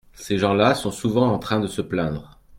ces gens-là sont souvent en train de se plaindre.